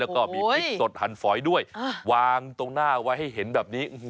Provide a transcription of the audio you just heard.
แล้วก็มีพริกสดหั่นฝอยด้วยวางตรงหน้าไว้ให้เห็นแบบนี้